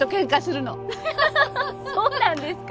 そうなんですか？